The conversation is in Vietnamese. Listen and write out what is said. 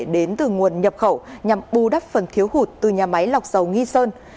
đến từ nguồn nhập khẩu nhằm bu đắp phần thiếu hụt từ nhà máy lọc dầu nghi sơn